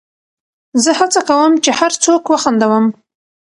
زه هڅه کوم، چي هر څوک وخندوم.